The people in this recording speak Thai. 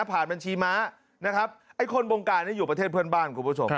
ผ่านบัญชีม้าไอ้คนบงการอยู่ประเทศเพื่อนบ้าน